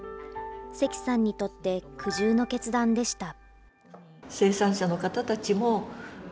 関さんにとって、苦渋の決断でした。